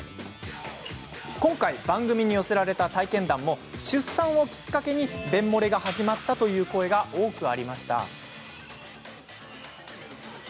今回、番組に寄せられた体験談も出産をきっかけに便もれが始まったという声が多くありました。